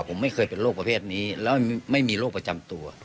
ผมไม่เคยเป็นโรคประเภทนี้แล้วไม่มีโรคประจำตัว